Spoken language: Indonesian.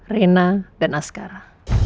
rena dan askara